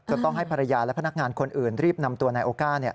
ต้องให้ภรรยาและพนักงานคนอื่นรีบนำตัวนายโอก้า